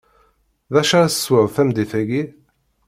Dacu ara tesweḍ tameddit-aki?